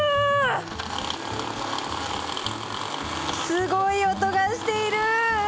すごい音がしている。